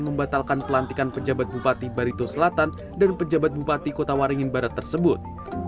membatalkan pelantikan pejabat bupati barito selatan dan pejabat bupati kota waringin barat tersebut